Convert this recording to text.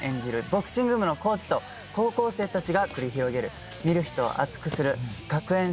ボクシング部のコーチと高校生たちが繰り広げる見る人を熱くする学園青春ドラマとなってます。